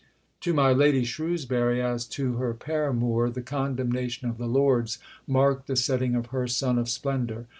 To my Lady Shrewsbury, as to her paramour, the condemnation of the Lords marked the setting of her sun of splendour.